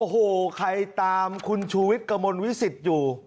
โอ้โหใครตามคุณชูวิทย์กระมวลวิสิตอยู่